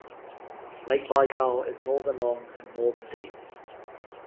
Lake Baikal is more than long and more than deep.